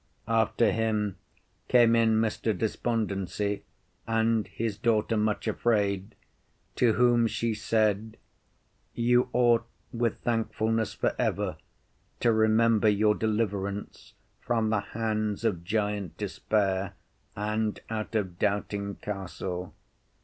After him came in Mr. Despondency and his daughter Much afraid, to whom she said, You ought with thankfulness forever to remember your deliverance from the hands of Giant Despair and out of Doubting Castle.